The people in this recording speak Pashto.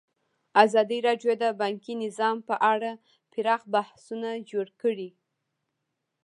ازادي راډیو د بانکي نظام په اړه پراخ بحثونه جوړ کړي.